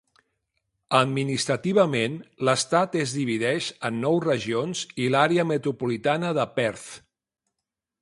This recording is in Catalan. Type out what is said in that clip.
Administrativament, l'estat es divideix en nou regions i l'àrea metropolitana de Perth.